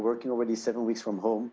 penting sebagai perusahaan